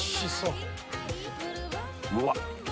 うわっ！